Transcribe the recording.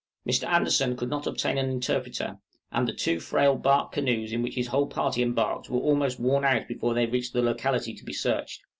Mr. Anderson could not obtain an interpreter, and the two frail bark canoes in which his whole party embarked were almost worn out before they reached the locality to be searched.